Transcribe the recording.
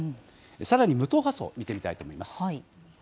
さらに無党派層見てみたいと思います。